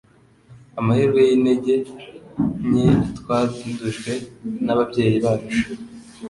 amahirwe y’intege nke twandujwe n’ababyeyi bacu,